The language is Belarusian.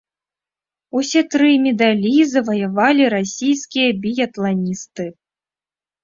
Усе тры медалі заваявалі расійскія біятланісты.